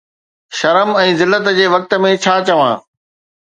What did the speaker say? شرم ۽ ذلت جي وقت ۾ ڇا چوان؟